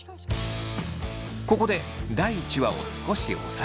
ここで第１話を少しおさらい。